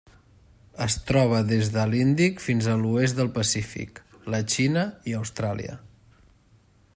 Es troba des de l'Índic fins a l'oest del Pacífic, la Xina i Austràlia.